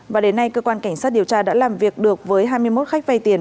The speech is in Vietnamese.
và đến nay cơ quan cảnh sát điều tra đã làm việc được với hai mươi một khách vay tiền